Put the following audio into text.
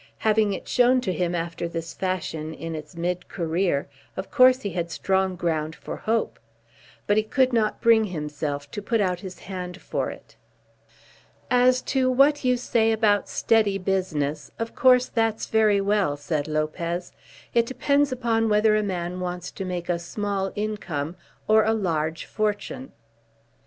Having it shown to him after this fashion in its mid career, of course he had strong ground for hope. But he could not bring himself to put out his hand for it. "As to what you say about steady business, of course that's very well," said Lopez. "It depends upon whether a man wants to make a small income or a large fortune."